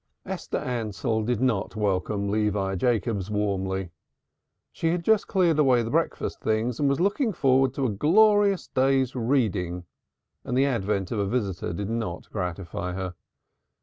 Esther Ansell did not welcome Levi Jacobs warmly. She had just cleared away the breakfast things and was looking forward to a glorious day's reading, and the advent of a visitor did not gratify her.